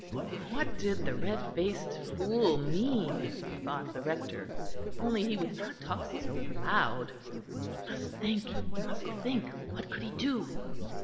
What did the red faced fool mean? thought the Rector. If only he would not talk so loud! He must think, he must think. What could he do?